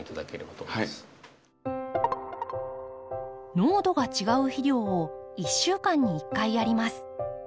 濃度が違う肥料を１週間に１回やります。